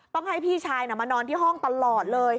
ต้องให้พี่ชายมานอนที่ห้องตลอดเลย